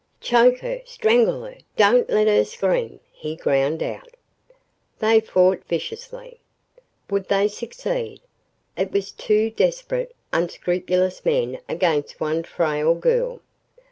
"Choke her! Strangle her! Don't let her scream!" he ground out. They fought viciously. Would they succeed? It was two desperate, unscrupulous men against one frail girl.